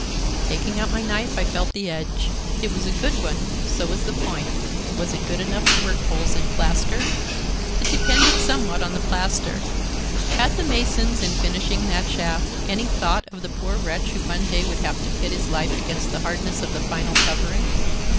Taking out my knife, I felt the edge. It was a good one, so was the point, but was it good enough to work holes in plaster? It depended somewhat upon the plaster. Had the masons, in finishing that shaft, any thought of the poor wretch who one day would have to pit his life against the hardness of the final covering?